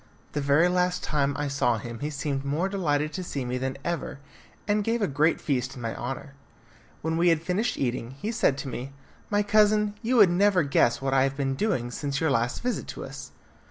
The very last time I saw him he seemed more delighted to see me than ever, and gave a great feast in my honour. When we had finished eating, he said to me, "My cousin, you would never guess what I have been doing since your last visit to us!